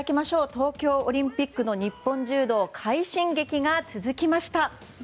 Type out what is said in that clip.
東京オリンピックの日本柔道快進撃が続きました。